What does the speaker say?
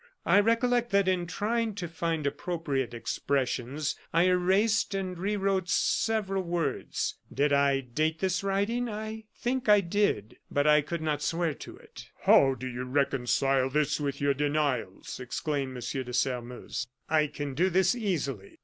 I recollect that in trying to find appropriate expressions I erased and rewrote several words. Did I date this writing? I think I did, but I could not swear to it." "How do you reconcile this with your denials?" exclaimed M. de Sairmeuse. "I can do this easily.